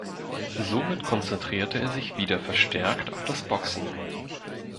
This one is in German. Somit konzentrierte er sich wieder verstärkt auf das Boxen.